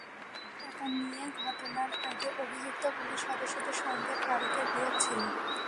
ঘুষের টাকা নিয়ে ঘটনার আগে অভিযুক্ত পুলিশ সদস্যদের সঙ্গে ফারুকের বিরোধ ছিল।